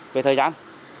về thời gian